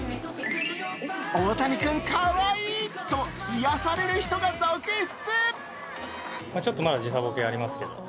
大谷君かわいいと、癒やされる人が続出。